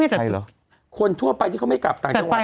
ไม่แต่คนทั่วไปที่เขาไม่กลับต่างจังหวันนะ